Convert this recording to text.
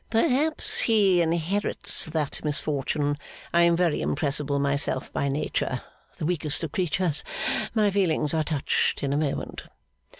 Perhaps he inherits that misfortune. I am very impressible myself, by nature. The weakest of creatures my feelings are touched in a moment.